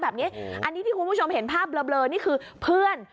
แบบนี้อันนี้ที่คุณผู้ชมเห็นภาพเบลอนี่คือเพื่อน